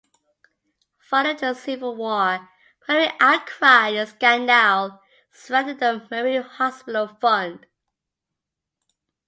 Following the Civil War, public outcry and scandal surrounded the Marine Hospital Fund.